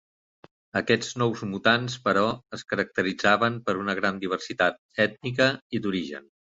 Aquests nous mutants, però, es caracteritzaven per una gran diversitat ètnica i d'origen.